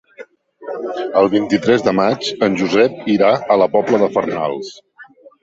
El vint-i-tres de maig en Josep irà a la Pobla de Farnals.